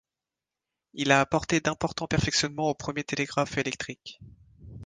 Il a apporté d'importants perfectionnements au premiers télégraphes électriques.